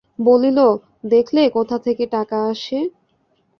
বলিল, দেখলে কোথা থেকে টাকা আসে?